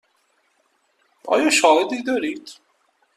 آیا شاهدی دارید؟